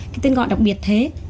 cái tên gọi đặc biệt thế